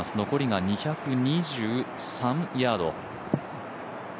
残りが２２３ヤード。